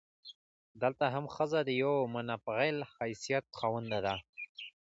دلته هم ښځه د يوه منفعل حيثيت خاونده ده.